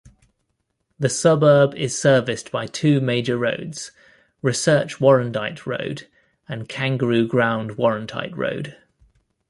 The suburb is serviced by two major roads; Research-Warrandyte Road and Kangaroo Ground-Warrandyte Road.